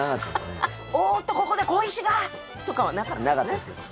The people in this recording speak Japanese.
「おっとここで小石が！」とかはなかったですね。